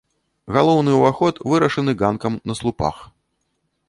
Галоўны ўваход вырашаны ганкам на слупах.